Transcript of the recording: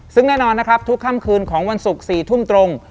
ซึ่งแน่นอนนะครับทุกค่ำคืนของวันศุกร์๔ทุ่มตรง